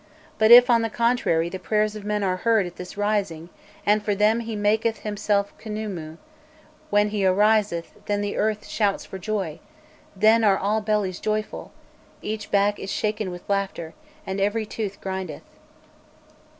But if, on the contrary, the prayers of men are heard at his rising and (for them) he maketh himself Khnûmû, when he ariseth, then the earth shouts for joy, then are all bellies joyful, each back is shaken with laughter, and every tooth grindeth.